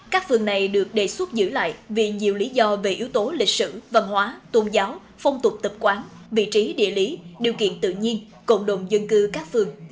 các phường này được đề xuất giữ lại vì nhiều lý do về yếu tố lịch sử văn hóa tôn giáo phong tục tập quán vị trí địa lý điều kiện tự nhiên cộng đồng dân cư các phường